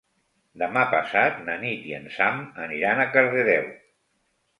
Demà passat na Nit i en Sam aniran a Cardedeu.